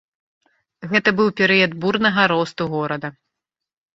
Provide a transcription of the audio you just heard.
Гэта быў перыяд бурнага росту горада.